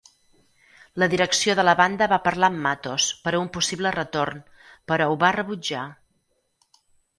La direcció de la banda va parlar amb Matos per a un possible retorn, però ho va rebutjar.